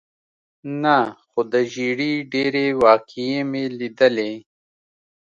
نه، خو د ژېړي ډېرې واقعې مې لیدلې.